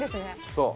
そう。